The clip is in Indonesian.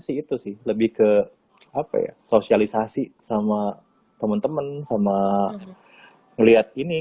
sih itu sih lebih ke apa ya sosialisasi sama temen temen sama ngeliat ini